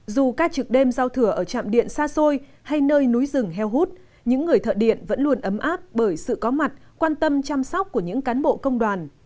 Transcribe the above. dù các trực đêm giao thừa ở trạm điện xa xôi hay nơi núi rừng heo hút những người thợ điện vẫn luôn ấm áp bởi sự có mặt quan tâm chăm sóc của những cán bộ công đoàn